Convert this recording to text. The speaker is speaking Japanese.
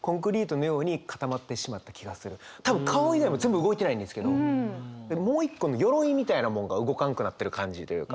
多分顔以外も全部動いてないんですけどもう一個の鎧みたいなものが動かんくなってる感じというか。